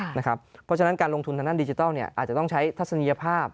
เพราะฉะนั้นการลงทุนทางด้านดิจิทัลอาจจะต้องใช้ทัศนียภาพ